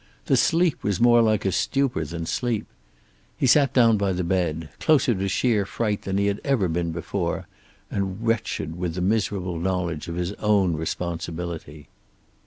The sleep was more like a stupor than sleep. He sat down by the bed, closer to sheer fright than he had ever been before, and wretched with the miserable knowledge of his own responsibility.